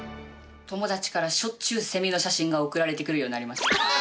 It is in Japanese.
友達からしょっちゅうセミの写真が送られてくるようになりました。